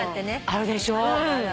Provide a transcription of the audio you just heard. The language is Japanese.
あるでしょ？